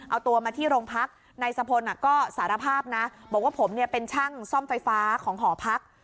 เอาตัวมาที่โรงพักนายสะพลก็สารภาพนะบอกว่าผมเนี่ยเป็นช่างซ่อมไฟฟ้าของหอพัก